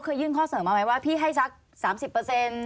เคยยื่นข้อเสริมมาไหมว่าพี่ให้ชัก๓๐เปอร์เซ็นต์๕๐เปอร์เซ็นต์